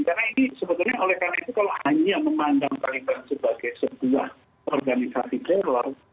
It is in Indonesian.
karena ini sebetulnya oleh karena itu kalau hanya memandang taliban sebagai sebuah organisasi teror